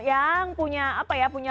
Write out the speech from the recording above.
yang punya apa ya